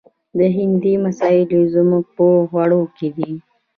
د هند مسالې زموږ په خوړو کې دي.